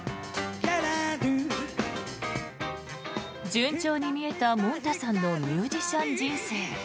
順調に見えた、もんたさんのミュージシャン人生。